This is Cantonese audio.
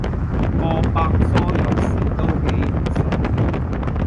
個百科有時都幾唔爽